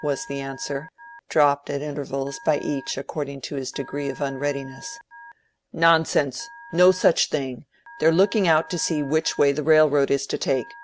was the answer, dropped at intervals by each according to his degree of unreadiness. "Nonsense! No such thing! They're looking out to see which way the railroad is to take.